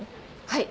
はい。